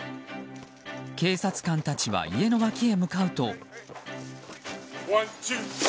警察官たちは家の脇へ向かうと。